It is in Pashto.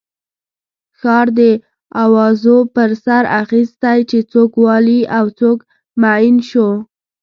ښار د اوازو پر سر اخستی چې څوک والي او څوک معین شو.